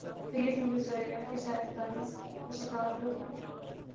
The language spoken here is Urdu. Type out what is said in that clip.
تو یہی سمجھا جائے گا کہ جانب داری کا شکار ہوا ہے۔